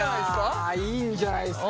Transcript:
いやいいんじゃないですか？